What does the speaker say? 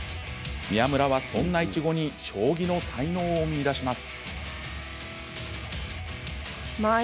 宮村は、そんな苺に将棋の才能を見いだします。